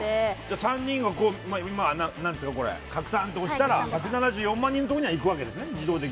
３人が今、カクサンと押したら１７４万人のところには自動にいくわけですね。